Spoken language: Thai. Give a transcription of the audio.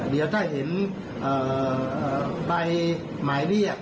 เดี๋ยวถ้าเห็นใบหมายเรียก